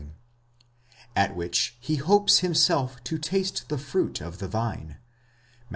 at which he hopes himself to taste the fruit of the vine (Matt.